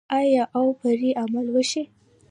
آیا او پرې عمل وشي؟